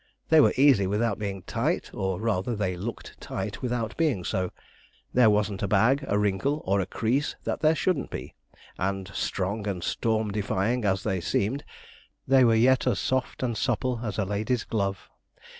They were easy without being tight, or rather they looked tight without being so; there wasn't a bag, a wrinkle, or a crease that there shouldn't be, and strong and storm defying as they seemed, they were yet as soft and as supple as a lady's glove.